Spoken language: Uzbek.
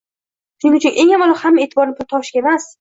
Shuning uchun eng avvalo hamma e’tiborni pul topishga emas